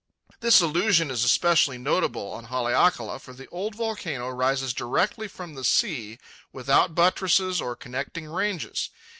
This illusion is especially notable on Haleakala, for the old volcano rises directly from the sea without buttresses or connecting ranges.